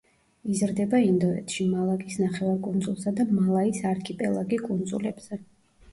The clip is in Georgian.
იზრდება ინდოეთში, მალაკის ნახევარკუნძულსა და მალაის არქიპელაგი კუნძულებზე.